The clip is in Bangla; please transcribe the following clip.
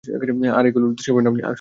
আর এগুলোর দোষী হবেন আপনি, শুধু আপনি।